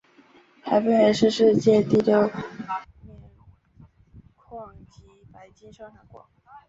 还分别是世界第六大镍矿及白金生产国。